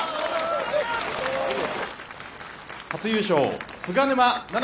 初優勝、菅沼菜々